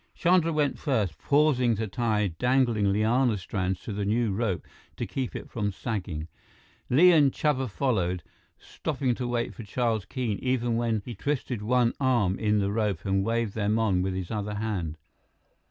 Chandra went first, pausing to tie dangling liana strands to the new rope to keep it from sagging. Li and Chuba followed, stopping to wait for Charles Keene, even when he twisted one arm in the rope and waved them on with his other hand.